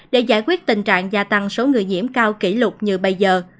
để giải quyết tình trạng gia tăng số người nhiễm cao kỷ lục như bây giờ